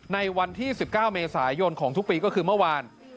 ในวันที่๑๙เมษายนของทุกปีก็คือเมื่อวาน